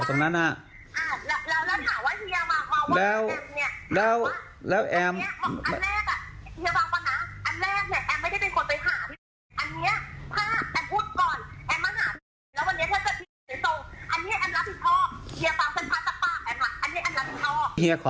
ลองไปคุยคุยเนเงินศส